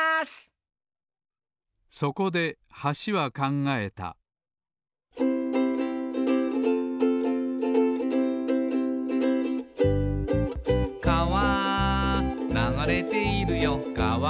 そこで橋は考えた「かわ流れているよかわ」